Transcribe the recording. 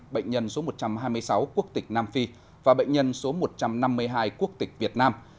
bệnh nhân số một trăm hai mươi sáu quốc tịch nam phi và bệnh nhân số một trăm năm mươi hai quốc tịch việt nam